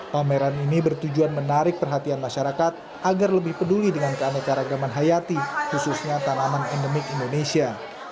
pameran ini bertujuan menarik perhatian masyarakat agar lebih peduli dengan keanekaragaman hayati khususnya tanaman endemik indonesia